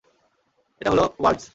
এটা হলো ওয়াল্টজ।